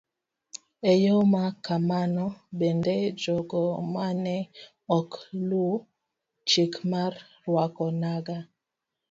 E yo ma kamano bende, jogo ma ne ok luw chik mar rwako nanga,